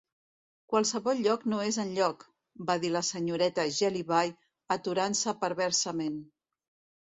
"Qualsevol lloc no és enlloc", va dir la senyoreta Jellyby, aturant-se perversament.